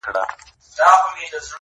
که نه وي خپل پردي، ستا په لمن کي جانانه~